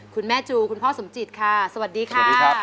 คุณแม่จูคุณพ่อสมจิตค่ะสวัสดีค่ะ